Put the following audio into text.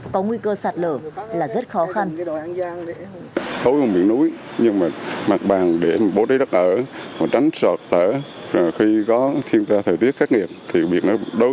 có nguy cơ sạt lở là rất khó khăn